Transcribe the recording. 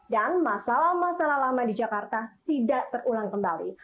dan masalah masalah lama di jakarta tidak terulang kembali